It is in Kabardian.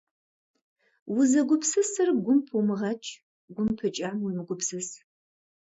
Узэгупсысыр гум пумыгъэкӏ, гум пыкӏам уемыгупсыс.